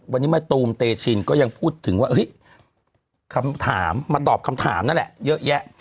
วันนี้มะตูมเตชินก็ยังพูดถึงว่าเฮ้ยคำถามมาตอบคำถามนั่นแหละเยอะแยะ